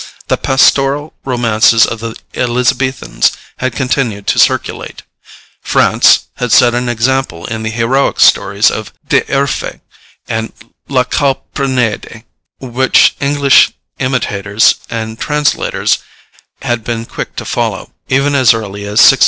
The pastoral romances of the Elizabethans had continued to circulate; France had set an example in the heroic stories of D'Urfé and La Calprenède, which English imitators and translators had been quick to follow, even as early as 1647.